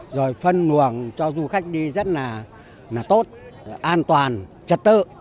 rồi phân luồng cho du khách đi rất là tốt an toàn trật tự